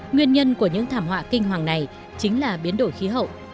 nguyên nhân của những thảm họa kinh hoàng này chính là biến đổi khí hậu